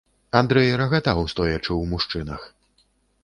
Андрэй рагатаў, стоячы ў мужчынах.